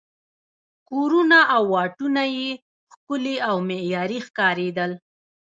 کورونه او واټونه یې ښکلي او معیاري ښکارېدل.